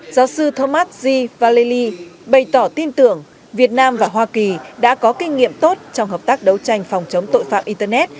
giáo sư thomas g vallely bày tỏ tin tưởng việt nam và hoa kỳ đã có kinh nghiệm tốt trong hợp tác đấu tranh phòng chống tội phạm internet